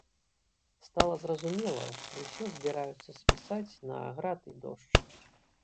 Стала зразумела, што ўсё збіраюцца спісаць на град і дождж.